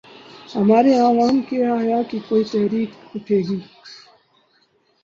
ہمارے ہاں جب علوم کے احیا کی کوئی تحریک اٹھے گی۔